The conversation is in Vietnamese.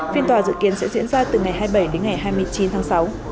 phiên tòa dự kiến sẽ diễn ra từ ngày hai mươi bảy đến ngày hai mươi chín tháng sáu